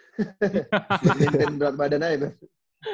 maintain berat badan aja beb